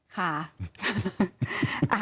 ค่ะ